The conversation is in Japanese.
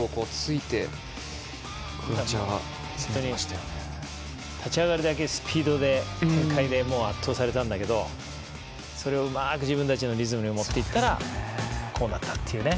一瞬の隙とか立ち上がりだけスピードで展開で圧倒されたんだけどそれをうまく自分たちのリズムにもっていったらこうなったっていうね。